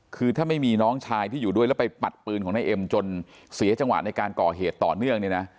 คือถ้าไม่มีน้องชายที่อยู่ด้วยแล้วไปปัดปืนของนายเอ็มจนเสียจังหวะในการก่อเหตุต่อเนื่องเนี่ยนะ